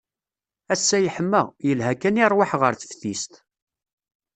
Ass-a yeḥma, yelha kan i rrwaḥ ɣer teftist.